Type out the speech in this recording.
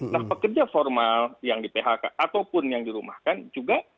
nah pekerja formal yang di phk ataupun yang dirumahkan juga